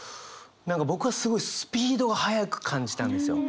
僕はすごいスピードが速く感じたんですよ。